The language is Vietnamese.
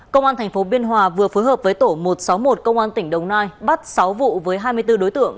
công an tp biên hòa vừa phối hợp với tổ một trăm sáu mươi một công an tỉnh đồng nai bắt sáu vụ với hai mươi bốn đối tượng